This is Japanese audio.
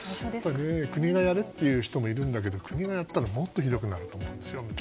国がやれっていう人もいるんだけど国がやったらもっとひどくなると思う。